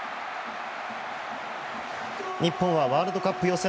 日本はワールドカップ予選